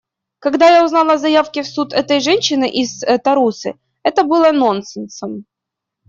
Когда я узнал о заявке в суд этой женщины из Тарусы, это было нонсенсом.